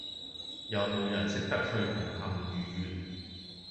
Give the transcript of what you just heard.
有無人識得去紅磡御悅